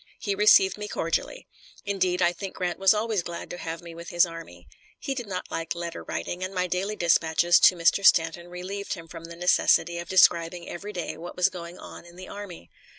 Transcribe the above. He received me cordially. Indeed, I think Grant was always glad to have me with his army. He did not like letter writing, and my daily dispatches to Mr. Stanton relieved him from the necessity of describing every day what was going on in the army.